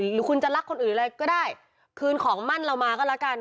หรือคุณจะรักคนอื่นอะไรก็ได้คืนของมั่นเรามาก็แล้วกัน